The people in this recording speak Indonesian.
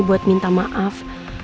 buat minta maaf